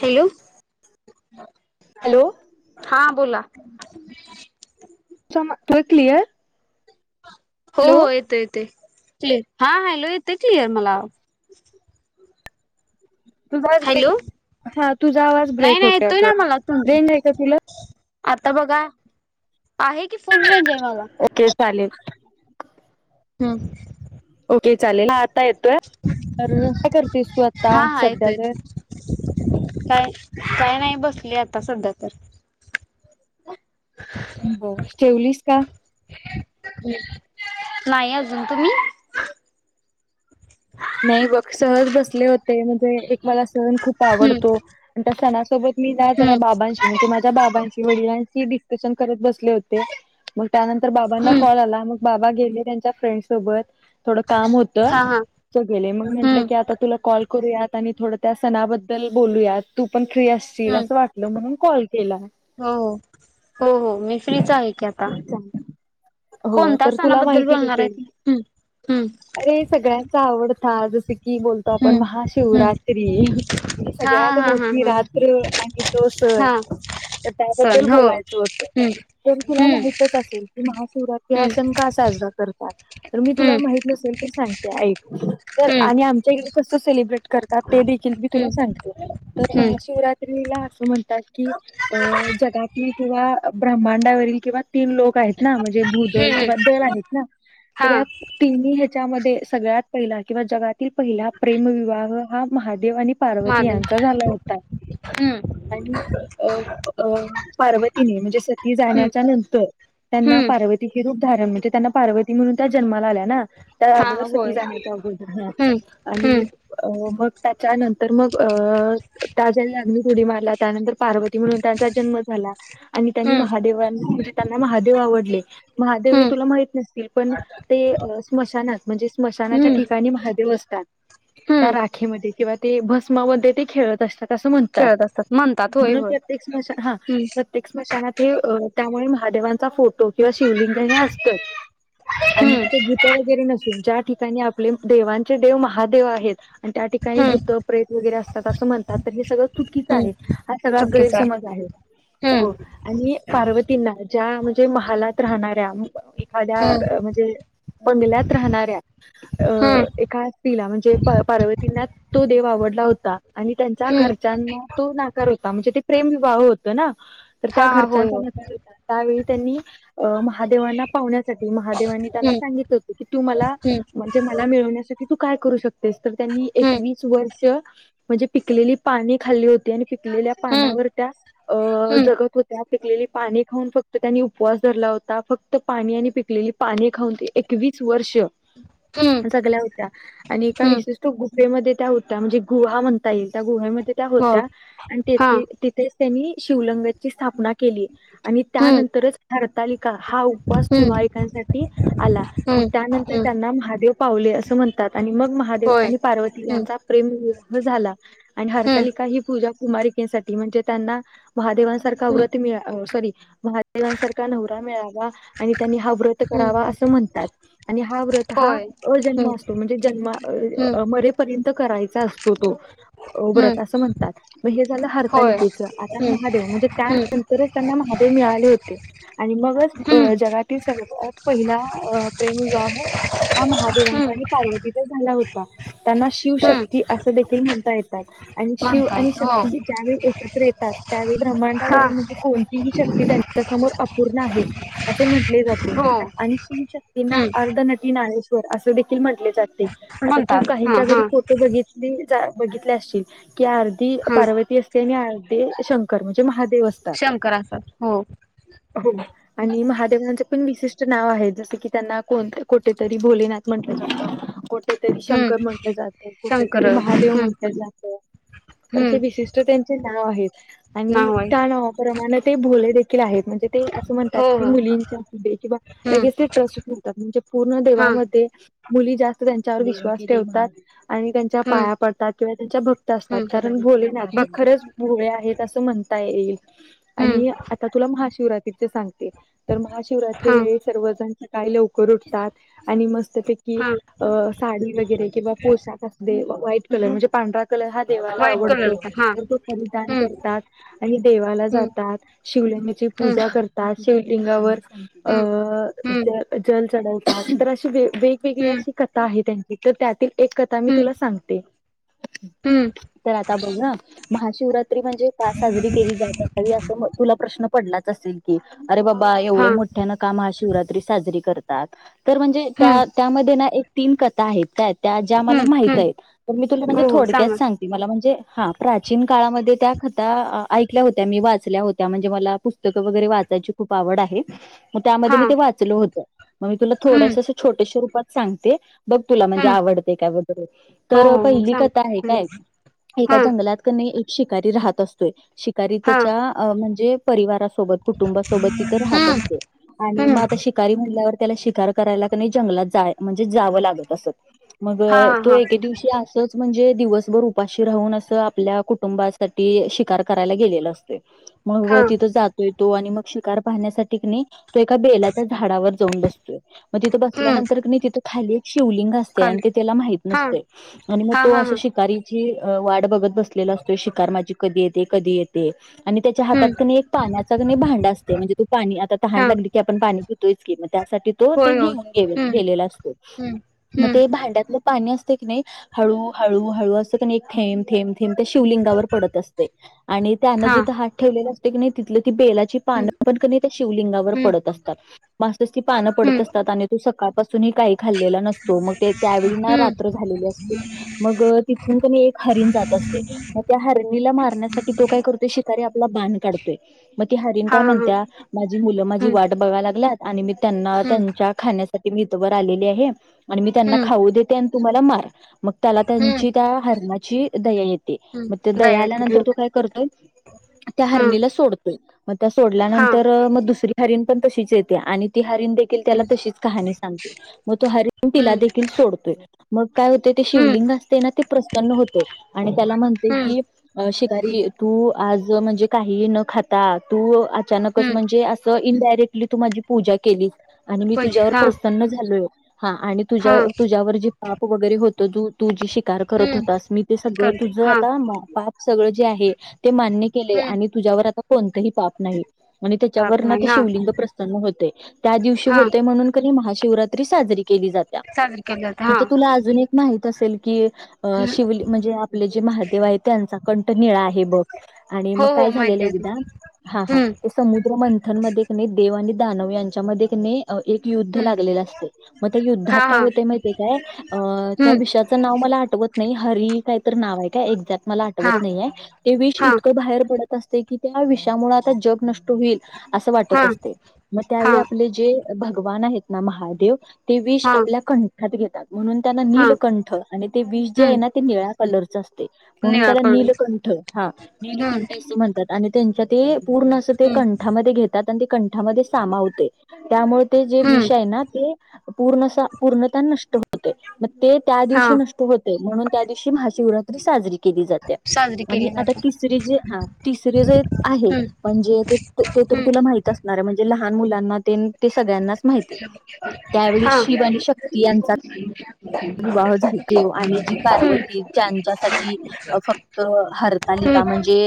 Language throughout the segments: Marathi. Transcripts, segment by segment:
हॅलो! हॅलो! हा बोला? सम त क्लिअर? हो हो हॅलो येतं येतं क्लिअर, हा हॅलो येतय क्लिअर मला आवाज. [unintelligible] हा तुझा आवाज नाही ब्रेक नाही होतय येतोय अग ना मला तुमचं रेंज नाही का तुला? आता बघा, आहे कि फुल रेंज आहे माला ओके चालेल. हूं! ओके चालेल हा आता येतोय तर काय करतेस तू आता हा हा सध्या येतोय तर. येतोय काय, काय नाही बसली आता सध्या तर. [inaudible] बर ठेवलीस का? नाही अजून तुम्ही? नाही बघ सहज बसले होते म्हणजे एक मला सन खूप आवडतो हम्म अन त्या सणा सोबत मी ना जरा हम्म बाबाशी म्हणजे माझ्या बाबांशी वडिलांशी डिस्कशन करत बसले होते. मग त्यानंतर बाबांना हम्म कॉल आला, मग बाबा गेले त्यांच्या फ्रेंड सोबत थोडं काम होतं. हा हा तो गेले मंग मी हम्म म्हटल की आता तुला कॉल करूयात आणि थोड त्या सणाबद्दल बोलूयातं. तू पण फ्री असशील हम्म असं वाटलं, म्हणून कॉल केला. हो हो, हो हो मी फ्रीच आहे की आता. हो कोणत्या तर तुला सणाबद्दल माहिती बोलणार असेल आहेतं हूं हूं! अरे सगळ्यांचा आवडता जसे की बोलतो आपण हम्म हम्म हम्म महाशिवरात्री म्हंजे हा सगळ्यात हा हा मोठी हा रात्र की तो सन हा तर त्याबद्दल सण हो बोलायचं होतं, हम्म तरी तुला हम्म माहितच असेल. की महाशिवरात्री हा हम्म सण का साजरा करतात, तर मी हम्म तुला माहित नसेल तर सांगते आयीक तर हम्म आम्ही आमच्याईकड कस सेलिब्रेट करतात ते देखील बी तुला हम्म सांगते तर हम्म महाशिवरा त्री ला अस म्हणतात की अ जगातील किंवा ब्रम्हांडावरील किंवा तीन लोक आहेत ना म्हणजे भूदल हम्म किंवा दल आहेत ना हा तर या तिन्ही ह्याच्यामध्ये सगळ्यात पहिला किंवा जगातील पहिला प्रेमविवाह हा महादेव आणि पार्वती यांचा झाला होता. हूं! आणि अ अ पार्वतीने म्हणजे सती हम्म जाण्याच्या नंतर त्यांना हम्म पार्वतीचे रूप धारण म्हणजे त्यांना पार्वती म्हणून त्या जन्माला आल्या ना त्या हा अगोदर सती होय जाण्या हम्म [unintelligible] आणि. हम्म अ मग त्याच्यानंतर मग अ त्या ज्यानी अग्नित ऊडी मारला त्यानंतर पार्वती म्हणून त्यांचा जन्म झाला आणि त्यांनी हम्म महादेवांना म्हणजे त्यांना महादेव आवडले. महादेव हे हम्म तुला माहित नसतील पण ते अ स्मशानात म्हणजे स्मशानाच्या हम्म ठिकाणी महादेव असतात त्या हम्म राखेमध्ये किंवा ते भस्मामध्ये ते खेळत असतात तसं म्हणतात खेळत असतात म्हणतात होय म्हणून होय प्रत्येक स्मशान ह हम्म प्रत्येक स्मशनात हे त्यामुळे महादेवांचा फोटो किंवा शिवलिंग हे असतच आणि हम्म तिथे भूत वगैरे नसून ज्या ठिकाणी आपले देवांचे देव महादेव आहेत आणि त्या ठिकाणी हम्म भूत प्रेत वगैरे असतात असं म्हणतात तर हे सगळं चुकीचा हम्म आहे हा सगळा गैरसमज आहे हो. हम्म आणि पार्वतींना ज्या म्हणजे महालात राहणाऱ्या एखाद्या हम्म म्हणजे बंगल्यात राहणाऱ्या अ हम्म एक खास तिला म्हणजे पा पार्वतींना तो देव आवडला होता आणि त्यांच्या हम्म घरच्यांना तो नाकार होता म्हणजे ते प्रेम विवाह होत ना तर त्या हा हा होय घरच्यांचा होय नकार होता त्यावेळी त्यांनी अ महादेवांना पावण्यासाठी महादेवांनी त्यांना हम्म सांगितलं होत की तू मला हम्म म्हणजे मला मिळवण्यासाठी तू काय करू शकतेस तर त्यांनी हम्म एकवीस वर्ष म्हणजे पिकलेली पाने खाल्ली होती आणि पिकलेल्या हम्म पानावर त्या अ हम्म जगत होत्या पिकलेली पाने खाऊन फक्त त्यांनी उपवास धरला होता फक्त पाणी आणि पिकलेली पाने खाऊन ते एकवीस वर्ष हम्म जगल्या होत्या. आणि एका हम्म विशिष्ट गुफेमध्ये त्या होत्या म्हणजे गुहा म्हणता येईल त्या गुहमध्ये त्या हो होत्या आणि हा तेथे तिथेच त्यांनी शिवलंगाची स्थापना केली. आणि हम्म त्यानंतरच हरतालिका हा उपवास हम्म कुमारिकांसाठी आला. मग हम्म त्यानंतर हम्म त्यांना महादेव पावले असं म्हणतात आणि मग महादेव होय आणि पार्वती हम्म यांचा प्रेमविवाह झाला. आणि हम्म हरतालिका ही पूजा कुमारिकेसाठी म्हणजे त्यांना महादेवांसारखा हम्म व्रत सॉरी महादेवांसारखा नवरा मिळावा आणि त्यांनी हा व्रत हम्म करावं अस म्हणतात. आणि हा व्रत हा होय हम्म अजन्म असतो म्हणजे जन्म अ हम्म अ मरे पर्यंत करायचा असतो तो अ हम्म व्रत असं म्हणतात. मग हे झालं होय हरतालिकेचं आता हम्म महादेव म्हणजे हम्म त्यानंतरच त्यांना महादेव मिळाले होते. आणि मगच हम्म जगातील सगळ्यात पहिला प्रेम विवाह हा महादेवांचा हम्म आणि पार्वती तर झाला होता, त्यांना हम्म शिवशक्ती असं देखील म्हणता येतात. आणि शिव आणि म्हणतात हो शक्ती ज्यावेळी एकत्र येतात त्यावेळी हा ब्रह्मांडावरील म्हणजे कोण तीही शक्ती त्यांच्यासमोर अपूर्ण आहे, असे म्हटले जाते. हो आणि शिव शक्तींना हम्म अर्ध नटी ना्नेश्वर असे देखील म्हटले जाते. आता तू म्हणतात हा काहीच्या हा घरी फोटो बघितली बघितले असशील की अर ती हा पार्वती असते आणि आ ते शंकर म्हणजे महादेव असतात. शंकर असतात हो हो आणि महादेवनाचे पण विशिष्ट नाव आहे जस की त्यांना कोण कोठेतर भोलेनाथ म्हणलं जातं को कुठेतरी शंकर हम्म म्हंटलं जातं शंकर कुठेतरी महादेव हम्म म्हटलं जातं ते हम्म विशिष्ट त्यांचे नाव आहेत. आणि नाव आहे त्या नावाप्रमाणे ते भोले देखील आहे म्हणजे ते अस म्हणतात हो की हो मुलींच्या हस्ते व हम्म लगेच ट्रस्टच म्हणजे पूर्ण हा जीवनामध्ये मुली जास्त त्यांच्यावर विश्वास ठेवतात आणि त्या च्या हम्म पाया पडतात किंवा त्यांच्या भक्त असतात, हम्म कारण भोलेनाथ हे बघते खरंच भोळे आहेत असं म्हणता येईल. आणि हम्म आता तुला महाशिवरात्रीच सांगते तर महाशिवरात्री हा वेळी सर्वजण सकाळी लवकर उठतात आणि मस्तपैकी हा अ साडी वगैरे किंवा पोशाख असुदे व्हाईट कलर म्हणजे पांढर कलर हा देवाला व्हाईट आवडतो कलरचा हा तर तो परिधान हम्म करतात. आणि देवाला हम्म जातात शिवलिंगची हम्म पूजा कर तात. शिवलिंगावर हम्म अ हम्म जल चढवतात तर अशी वेगवेग वेगळी हम्म अशी कथा आहे त्यांची तर त्यातील एक कथा मी हम्म तुला सांगते. हम्म. तर आता बघ ह. महाशिवरात्री म्हणजे का साजरी केली जात असावी असं तुला प्रश्न पडलाच असेल की, अरे बाबा हा एवढे मोठ्यान का महाशिवरात्री साजरी करतात. तर म्हणजे हम्म त्या त्यामध्ये ना एक तीन कथा आहेत काय? त्या ज्या मला हम्म माहिती हम्म आहेत तर मी तुला म्हणजे हो हो थोडक्यात सांगा सांग मला म्हणजे हा प्राचीन काळामध्ये त्या कथा ऐकल्या होत्या, मी वाचल्या होत्या म्हणजे मला पुस्तकं वगैरे वाचायची खूप आवड आहे, मग त्यामध्ये हा मी ते वाचल होतं. मग म तुला हम्म छोटेश्या रूपात सांगते. बघ तुला म्हणजे हम्म आवडते काय वगैरे. हो तर हो हो पहिली सांग कथा आहे हं. काय एका हा जंगलात कनि एक शिकारी राहत असतोय शिकारी हा त्याच्या म्हणजे परिवारासोबत कुटुंबासोबत तिथं राहत हम्म असतो. आणि हम्म मग आता शिकारी म्हणल्यावर त्याला शिकार करायला कणी जंगलात म्हणजेच जावं लागत असत. मग हा तो हा एके दिवशी असच म्हणजे दिवसभर उपाशी राहून असं आपल्या कुटुंबासाठी शिकार करायला गेलेला असतोय. मग हा तिथं जात तो आणि मग शिकार पाहण्यासाठी तो एका बेलाच्या झाडावर जाऊन बसतोय. मग तिथं हम्म बसल्यानंतर कणी तिथ खाली एक शिवलिंग अस तय काल ते त्याला माहित हा नसतंय आणि मग हा तो हा हा शिकारीची वाट बघत लेला असतोय शिकार माझी कधी येते? कधी येते? आणि त्याच्या हातात हम्म कनी पाण्याचा कनी भांड असते म्हणजे तो पाणी आता तहान हा लागली की आपण पाणी पितोयच की मग त्यासाठी तो ते होय होय घेऊन हम्म गेलेला असतो, हम्म मग ते हम्म भांड्यात पाणी असतंय की नाही हळू हळू हळू असं कनी थेंब थेंब थेंब त्या शिवलिंगावर पडत असतय आणि त्यान हा जिथ हात ठेवलेल असतंय की नाही तिथलं ती बेलाची पान हम्म पण की त्या शिवलिंगावर हम्म पडत असतात. मग असच ती पान पडत हम्म असतात. आणि तो सकाळपासूनही काही खाल्लेला नसतो, मग ते त्यावेळी ना हम्म रात्र झालेले असते. मग तिथून कनी एक हरीण जात असते. मग त्या हरणीला मारण्यासाठी तो काय करतोय, शिकारी आपला बाण काढतोय. मग ती हरीण हा काय हा हा म्हणत्या माझी मुलं माझी हम्म वाट बघायला लागलात आणि मी त्यांना हम्म त्यांच्या खाण्यासाठी इथवर आलेली आहे. आणि मी त्यांना हम्म खाऊ देते आणि तु मला मार. मग त्याला हम्म त्यांची त्या हरणाची दया येते, मग हम्म त्याला दया येते आल्यानंतर तो काय करतोय त्या हम्म हरणीला सोड तोय. मग त्या हा सोडल्यानंतर मग दुसरी हरीण पण तशीच येते आणि ती हरीण देखील त्याला हम्म तशीच कहाणी सांगते. मग तो हरीण तिला हम्म देखील सोडतोय, मग काय होते ते हम्म शिवलिंग असते ना, ते प्रसन्न होते आणि त्याला म्हणते हम्म की, शिकारी तू आज म्हणजे काहीही न खाता तू अचानकच हम्म म्हणजे अ इनडायरेक्टली तू माझी पूजा केलीस. आणि मी तुझ्यावर हा प्रसन्न झालोय. हा. आ हा तुझ्या तुझ्यावर जी पाप वगैरे होत तू तुझी करत हम्म होतास. मी ते सगळं करते तुझ हा आता पाप सगळं जे आहे ते मान्य केले आणि तुझ्यावर आता कोणतंही पाप नाही आणि त्याच्यावर ताक नाही ते हा शिवलिंग प्रसन्न होतंय. त्या दिवशी हा होते म्हणून की नाही महाशिवरात्री साजरी केली जाता. साजरी केली जाते हा आता तुला अजून एक माहीत असेल की अ शिवली म्हणजे आपले जे महादेव आहेत त्यांचा कंठ निळा आहे बघ. आणि मग हो काय हो झालेलं माहिती आहे ते एकदा हा हा. हम्म समुद्र मंथनमध्ये क नाही देव आणि दानव यांच्यामध्ये नाही एक युद्ध हम्म लागलेला असते. मग ते युद्धात हा काय हा होतय माहितीय काय. अ, त्या हम्म विषयाचं नाव मला आठवत नाही, हरी काहीतर नाव हाय काय, एक्झॅक्ट मला हा आठवत नाहीयाय. ते विष हा इतकं बाहेर पडत की त्या विषामुळे आता जग नष्ट व्हिल, असं वाटत हा असतय मग त्यावेळी हा आप जे भगवान आहेत ना महादेव, ते विष हा आपल्या कंठात घेतात. म्हणून त्यांना हा नीलकंठ आणि ते विष जे आहे ना हम्म ते निळ्या कलरच असतं. म्हणून निळा त्याला कलर नीलकंठ, हा हम्म निलीकंठ असं म्हणतात. आणि त्यांच्या ते, पूर्ण असं ते हम्म कंठामध्ये घेतात आणि ते कंठामध्ये सामावतय. त्यामुळे ते जे हम्म विष आहे ना ते, पूर्ण पूर्णतः नष्ट होतय मग ते त्या हा दिवशी नष्ट होतय म्हणून त्या दिवशी महाशिवरात्री साजरी केली जातीया. साजरी आणि केली आता जाते तिसरी जे, हा तिसरी जे आहे हम्म म्हणजे ते तर हम्म तुला माहित अस म्हणजे लहान मुलांना त्येन सगळ्यांनाच माहितीय, त्यावेळी हा शिव आणि शक्ती याचा विवाह झालते आणि जी हम्म पार्वती ज्यांच्यासाठी फक्त हम्म हरतालीका म्हणजे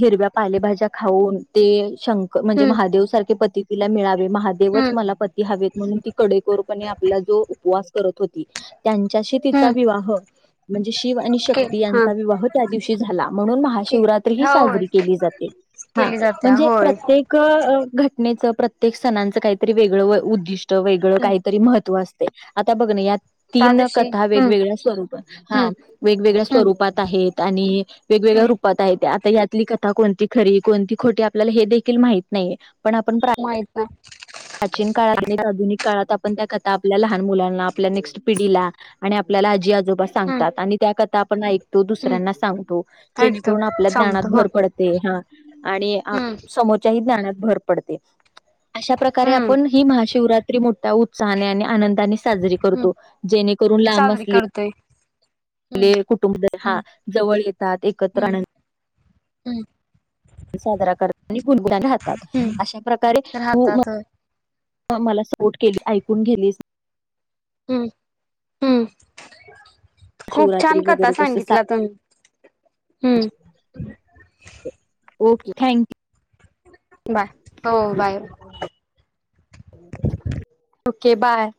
हिरव्या पालेभाज्या खाऊन, ते शंक म्हणजे हम्म महादेव सारखे पती तिला मिळावे, महादेवच हम्म मला पती हवेेत. म्हणून ती कडेकोरपणे आपला जो उपवास करत होती त्यांच्याशी तिचा हम्म विवाह म्हणजे शिव आणि के शक्ती यांचा विवाह त्या दिवशी झाला, म्हणून महाशिवरात्री ही हा हो होय साजरी केली जाते. हा केली जाते म्हणजे होय प्रत्येक घटनेचं प्रत्येक सणांचं काहीतरी वेगळं उद्दिष्ट वेगळं काहीतरी महत्त्व असत. आता बघ ना यात, त्या तीन दिवशी कथा हम्म वेगवेगळ्या स्वरूपात हा हम्म वेगवेगळ्या हम्म स्वरूपात आहेत आणि वेगवेगळ्या हम्म रूप आता यातली कथा कोणती खरी, कोणती खोटी हे देखील माहित नाही. पण आपण प्रा माहित नाय प्राचीन काळात आणि आधुनिक काळात आपण त्या कथा आपल्या लहान मुलांना आपल्या नेक्स्ट पिढीला आणि आपल्याला आजी आजोबा हम्म सांगतात आणि त्या कथा आपण एक तो हम्म दुसऱ्यांना सांगतो, एकदम जेणेकरून आपल्या सांगतो ज्ञानात हो भर पडते हा. आणि हम्म समोरच्याही ज्ञानात भर पडते. अशा प्रकारे हम्म आपण ही महाशिवरात्री मोठ्या उत्साहाने आणि आनंदाने साजरी करतो, जेणेकरून लांब असली ते ते कुटुंब हा जवळ येतात, एकत्र हम्म आनंद हम्म साजरा करत आणि बुलबुला घालतात हम्म अशा प्रकारे राहतात होय मला सपोर्ट केली, ऐकून गेलीस हम्म हम्मं खूप छान शिवरात्री कथा वगैरे कसं सांगितला तुम्ही हम्म. Okay thank you. बाय, हो बाय. Okay bye.